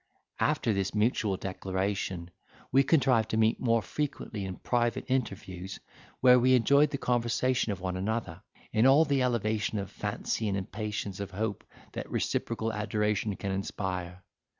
After this mutual declaration, we contrived to meet more frequently in private interviews, where we enjoyed the conversation of one another, in all the elevation of fancy and impatience of hope that reciprocal adoration can inspire.